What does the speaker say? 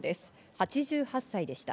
８８歳でした。